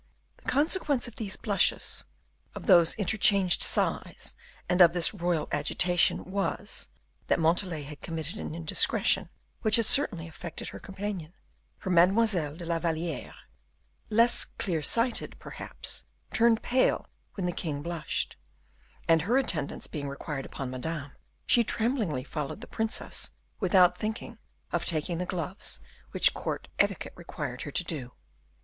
The consequence of these blushes, of those interchanged sighs, and of this royal agitation, was, that Montalais had committed an indiscretion which had certainly affected her companion, for Mademoiselle de la Valliere, less clear sighted, perhaps, turned pale when the king blushed; and her attendance being required upon Madame, she tremblingly followed the princess without thinking of taking the gloves, which court etiquette required her to do.